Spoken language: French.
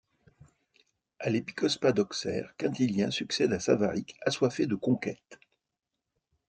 À l'épiscopat d'Auxerre, Quintilien succède à Savaric assoiffé de conquêtes.